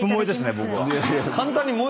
僕は。